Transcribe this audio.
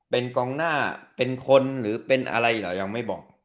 เป็นกองหน้าเป็นคนหรือเป็นอะไรเหรอยังไม่บอก